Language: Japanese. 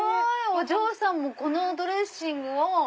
お嬢さんもこのドレッシングを。